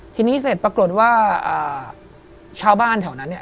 ทีนี้เสร็จปรากฏว่าชาวบ้านแถวนั้นเนี่ย